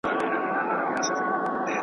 چي لغتي د ناکسو باندي اوري .